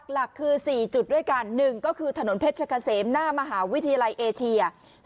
หลักคือ๔จุดด้วยกัน๑ก็คือถนนเพชรเกษมหน้ามหาวิทยาลัยเอเชีย